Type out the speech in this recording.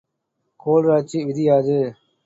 கோல்ராச்சு விதி யாது?